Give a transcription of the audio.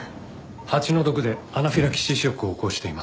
蜂の毒でアナフィラキシーショックを起こしています。